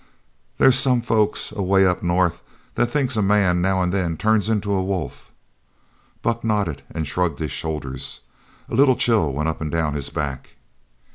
"They's some folks away up north that thinks a man now an' then turns into a wolf." Buck nodded and shrugged his shoulders. A little chill went up and down his back.